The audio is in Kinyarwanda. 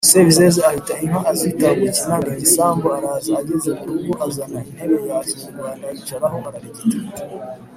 Sebizeze ahita inka azita mu kinani(igisambu) araza, ageze mu rugo azana intebe ya Kinyarwanda ayicaraho ararigita.